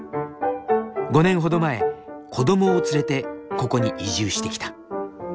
５年ほど前子どもを連れてここに移住してきた。